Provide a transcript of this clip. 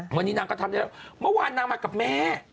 เมื่อไหวนางมากับแม่